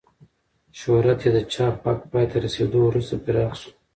شهرت یې د چاپ حق پای ته رسېدو وروسته پراخ شو.